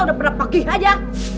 udah bener pagi aja